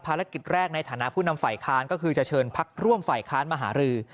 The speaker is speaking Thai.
แรกในฐานะผู้นำฝ่ายค้านก็คือจะเชิญพักร่วมฝ่ายค้านมาหารือ